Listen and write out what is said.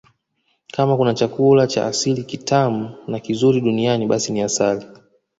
Kama kuna chakula cha asili kitamu na kizuri duniani basi ni asali